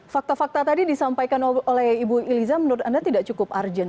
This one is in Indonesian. fakta fakta tadi disampaikan oleh ibu iliza menurut anda tidak cukup urgent